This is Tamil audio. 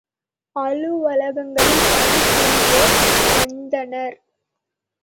அலுவலகங்களில் பணி புரிவோர் வந்தனர்.